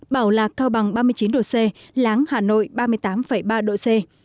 bảo lạc cao bằng ba mươi chín độ c láng hà nội ba mươi tám ba độ c